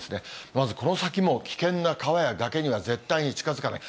まず、この先も危険な川や崖には絶対に近づかない。